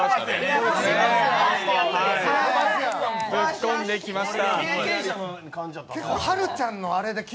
ぶっ込んできました。